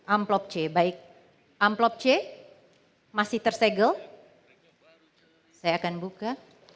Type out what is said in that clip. amplop c baik amplop c masih tersegel saya akan buka